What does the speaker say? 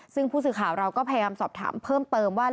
ซึ่งผู้สื่อข่าวเราก็พยายามสอบถามเพิ่มเติมว่า